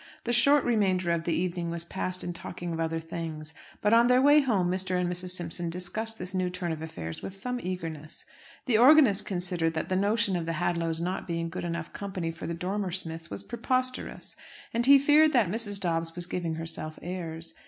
The short remainder of the evening was passed in talking of other things. But on their way home Mr. and Mrs. Simpson discussed this new turn of affairs with some eagerness. The organist considered that the notion of the Hadlows not being good enough company for the Dormer Smiths was preposterous; and he feared that Mrs. Dobbs was giving herself airs.